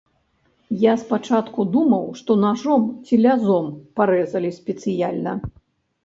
Я спачатку думаў, што нажом ці лязом парэзалі спецыяльна.